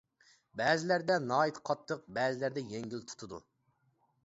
بەزىلەردە ناھايىتى قاتتىق، بەزىلەردە يەڭگىل تۇتىدۇ.